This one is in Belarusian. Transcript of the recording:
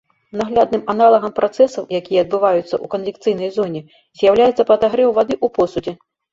Наглядным аналагам працэсаў, якія адбываюцца ў канвекцыйнай зоне, з'яўляецца падагрэў вады ў посудзе.